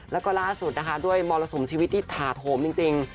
แล้วก็ล่าสุดนะคะด้วยมรสุมชีวิตที่ถาโถมจริง